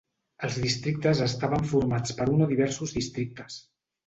Els districtes estaven formats per un o diversos districtes.